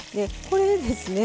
これでですね